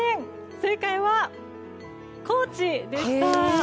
正解は高知でした。